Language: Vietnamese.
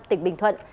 tỉnh bình thuận